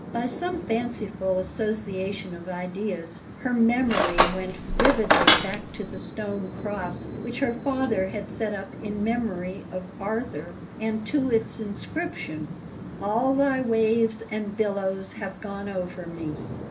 By some fanciful association of ideas her memory went vividly back to the stone cross which her father had set up in memory of Arthur, and to its inscription: "All thy waves and billows have gone over me."